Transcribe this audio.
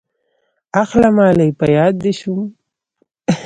اخله مالې په ياده دې شوم.